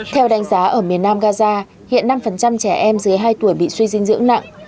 theo đánh giá ở miền nam gaza hiện năm trẻ em dưới hai tuổi bị suy dinh dưỡng nặng